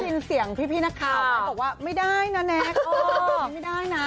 ได้ยินเสียงพี่นักข่าวว่าไม่ได้นะแน็กไม่ได้นะ